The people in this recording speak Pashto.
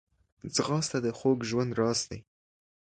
ځغاسته د خوږ ژوند راز دی